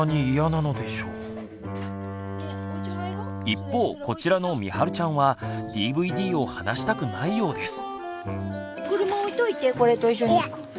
一方こちらのみはるちゃんはＤＶＤを離したくないようです。